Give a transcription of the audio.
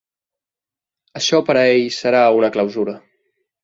Això per a ell serà una clausura.